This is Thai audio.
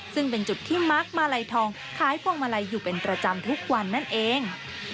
ซึ่งเป็นจุดที่มาร์คมาลัยทองขายพวงมาลัยอยู่เป็นประจำทุกวันนั่นเอง